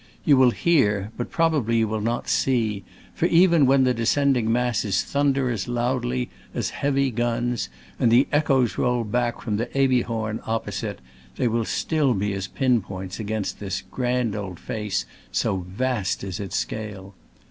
You will hear, but pi obably you will not see; for even when the descending masses thunder as loudly as heavy guns, and the echoes roll back from the Ebihorn opposite, they will still be as pin points against this grand old face, so vast is its scale.